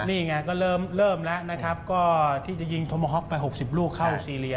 นี่ไงก็เริ่มแล้วนะครับก็ที่จะยิงโทโมฮ็อกไป๖๐ลูกเข้าซีเรีย